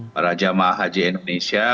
para jemaah haji indonesia